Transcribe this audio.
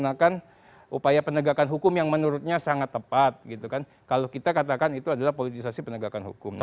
yang mengatakan harusnya si yulianis itu tsk